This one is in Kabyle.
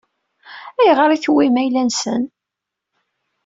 Ayɣer i tewwim ayla-nsen?